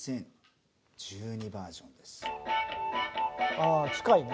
ああ近いね。